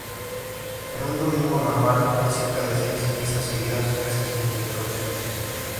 En un domingo normal hay cerca de seis misas seguidas, casi sin interrupciones.